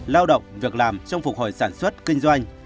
lao động việc làm trong phục hồi sản xuất kinh doanh